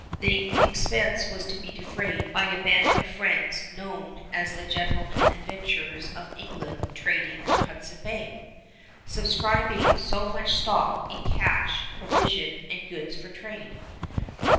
The expense was to be defrayed by a band of friends known as the "Gentlemen Adventurers of England Trading to Hudson Bay," subscribing so much stock in cash, provision, and goods for trade.